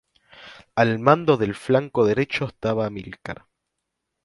Al mando del flanco derecho estaba Amílcar.